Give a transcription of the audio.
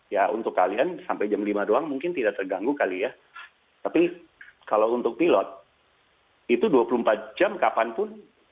ya untuk kalian sampai jam lima doang mungkin tidak terganggu kali ya tapi kalau untuk pilot itu dua puluh empat jam kapanpun